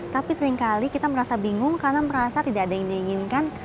tapi seringkali kita merasa bingung karena merasa tidak ada yang diinginkan